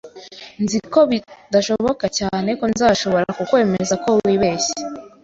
Nzi ko bidashoboka cyane ko nzashobora kukwemeza ko wibeshye